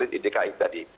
seperti di dki tadi